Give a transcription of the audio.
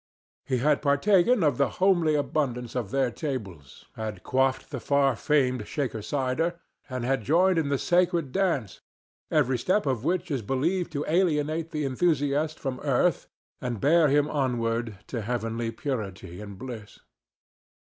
He had partaken of the homely abundance of their tables, had quaffed the far famed Shaker cider, and had joined in the sacred dance every step of which is believed to alienate the enthusiast from earth and bear him onward to heavenly purity and bliss.